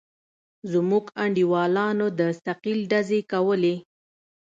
زموږ انډيوالانو د ثقيل ډزې کولې.